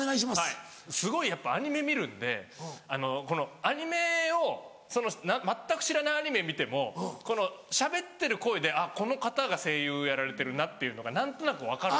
はいすごいやっぱアニメ見るんでアニメを全く知らないアニメ見てもこのしゃべってる声でこの方が声優をやられてるなっていうのが何となく分かる。